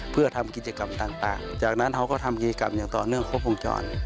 เพื่อทำกิจกรรมต่างจากนั้นเขาก็ทำกิจกรรมอย่างต่อเนื่องครบวงจร